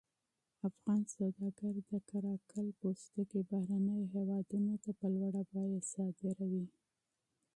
افغان سوداګر د قره قل پوستکي بهرنیو هېوادونو ته په لوړه بیه صادروي.